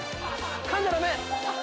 かんじゃダメ！